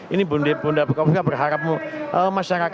ini bunda kopiwa berharap masyarakat bisa menikmati